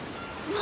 何？